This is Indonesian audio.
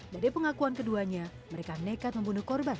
dari pengakuan keduanya mereka nekat membunuh korban